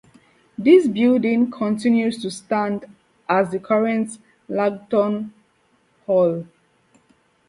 This building continues to stand as the current Langton Hall.